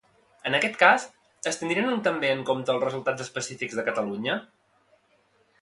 En aquest cas, es tindrien també en compte els resultats específics de Catalunya?